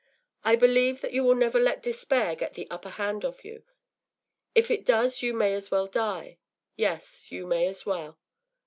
I believe that you will never let despair get the upper hand of you. If it does you may as well die; yes, you may as well.